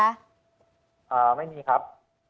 อ่าไม่มีครับ